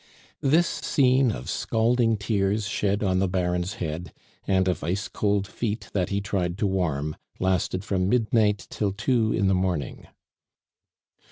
This scene of scalding tears shed on the Baron's head, and of ice cold feet that he tried to warm, lasted from midnight till two in the morning.